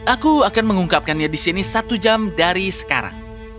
aku akan mengungkapkannya di sini satu jam dari sekarang